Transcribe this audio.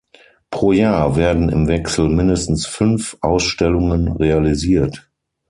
Pro Jahr werden im Wechsel mindestens fünf Ausstellungen realisiert.